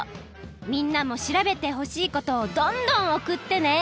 みんなも調べてほしいことをどんどんおくってね！